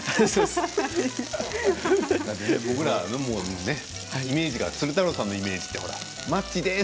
僕らはねイメージが鶴太郎さんのイメージってマッチでーす！